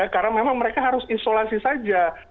karena memang mereka harus isolasi saja